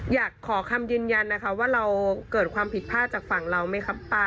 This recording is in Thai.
อยากขอคำยืนยันนะคะว่าเราเกิดความผิดพลาดจากฝั่งเราไหมครับป้า